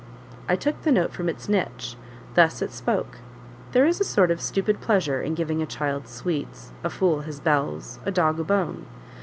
I took the note from its niche; thus it spoke: "There is a sort of stupid pleasure in giving a child sweets, a fool his bells, a dog a bone.